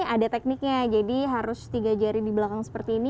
ada tekniknya jadi harus tiga jari di belakang seperti ini